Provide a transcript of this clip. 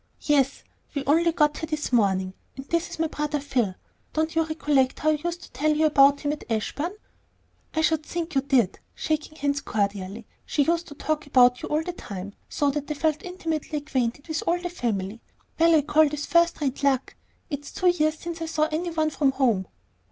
"Yes; we only got here this morning. And this is my brother Phil. Don't you recollect how I used to tell you about him at Ashburn?" "I should think you did," shaking hands cordially; "she used to talk about you all the time, so that I felt intimately acquainted with all the family. Well, I call this first rate luck. It's two years since I saw any one from home."